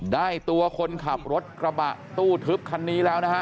ได้ตัวคนขับรถกระบะตู้ทึบคันนี้แล้วนะฮะ